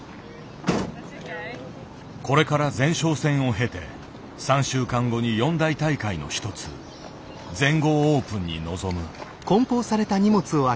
これから前哨戦を経て３週間後に四大大会の一つ全豪オープンに臨む。